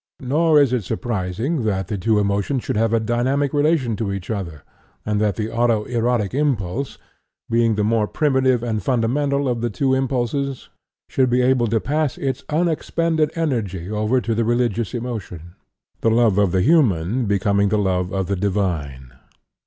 Nor is it surprising that the two emotions should have a dynamic relation to each other, and that the auto erotic impulse, being the more primitive and fundamental of the two impulses, should be able to pass its unexpended energy over to the religious emotion, there to find the expansion hitherto denied it, the love of the human becoming the love of the divine.